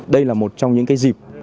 đây là một trong những cái dịp